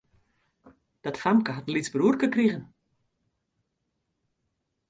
Dat famke hat in lyts bruorke krigen.